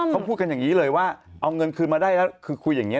เขาพูดกันอย่างนี้เลยว่าเอาเงินคืนมาได้แล้วคือคุยอย่างนี้